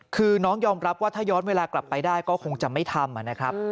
คือน้องยอมรับว่าถ้าย้อนเวลากลับไปได้ก็คงจะไม่ทำนะครับ